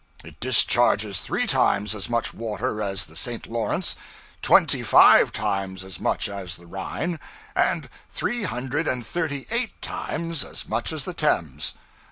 It discharges three times as much water as the St. Lawrence, twenty five times as much as the Rhine, and three hundred and thirty eight times as much as the Thames.